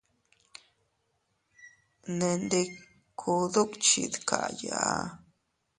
Nendikku dukchi dkayaa.